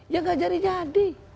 ya nggak jadi jadi